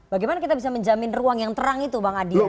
bagaimana kita bisa menjamin ruang yang terang itu bang adian